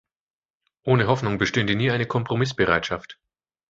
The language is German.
Ohne Hoffnung bestünde nie eine Kompromissbereitschaft.